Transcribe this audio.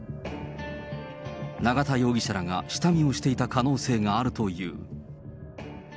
永田容疑者らが下見をしていた可能性があるという。